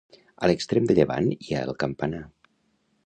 A l'extrem de llevant hi ha el campanar.